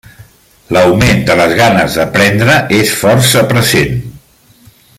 L'augment de les ganes d'aprendre és força present.